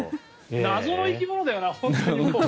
謎の生き物だよな、本当に。